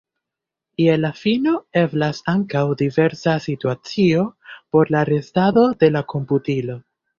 Je la fino eblas ankaŭ diversa situacio por la restado de la komputilo.